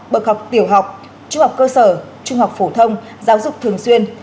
bậc học tiểu học trung học cơ sở trung học phổ thông giáo dục thường xuyên